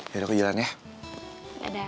yaudah aku jalan jalan aja ya